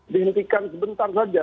dihentikan sebentar saja